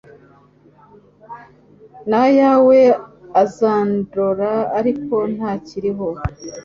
n'ayawe azandora, ariko ntakiriho